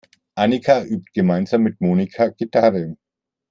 Annika übt gemeinsam mit Monika Gitarre.